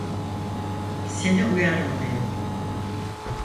Seni uyarmalıyım.